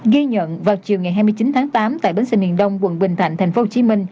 ghi nhận vào chiều ngày hai mươi chín tháng tám tại bến xe miền đông quận bình thạnh tp hcm